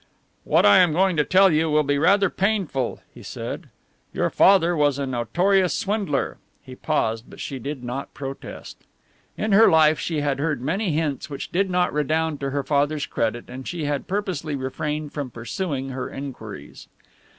"What I am going to tell you will be rather painful," he said: "your father was a notorious swindler." He paused, but she did not protest. In her life she had heard many hints which did not redound to her father's credit, and she had purposely refrained from pursuing her inquiries.